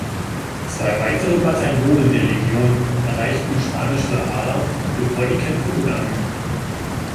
Zwei weitere Bataillone der Legion erreichten Spanisch-Sahara, bevor die Kämpfe begannen.